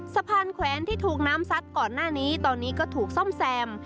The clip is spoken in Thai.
แขวนที่ถูกน้ำซัดก่อนหน้านี้ตอนนี้ก็ถูกซ่อมแซม